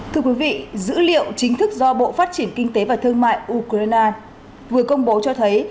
thưa quý vị dữ liệu chính thức do bộ phát triển kinh tế và thương mại ukraine vừa công bố cho thấy